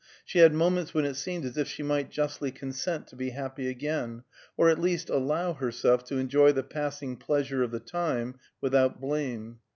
She had moments when it seemed as if she might justly consent to be happy again, or at least allow herself to enjoy the passing pleasure of the time without blame.